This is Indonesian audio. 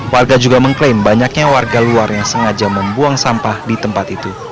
warga juga mengklaim banyaknya warga luar yang sengaja membuang sampah di tempat itu